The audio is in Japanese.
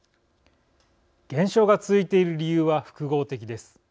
減少が続いている理由は複合的です。